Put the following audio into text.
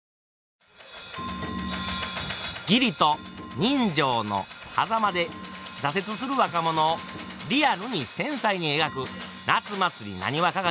義理と人情のはざまで挫折する若者をリアルに繊細に描く「夏祭浪花鑑」。